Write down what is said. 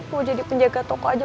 mau jadi penjaga toko aja